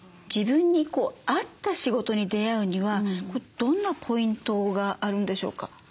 自分に合った仕事に出会うにはどんなポイントがあるんでしょうか？